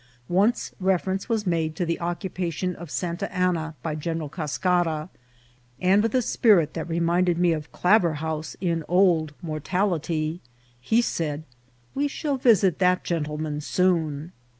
Once reference was made to the occu pation of Santa Anna by General Cascara, and with a spirit that reminded me of Claverhouse in "Old Mor tality," he said, " we shall visit that gentleman soon."